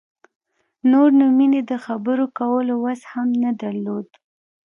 نور نو مينې د خبرو کولو وس هم نه درلود.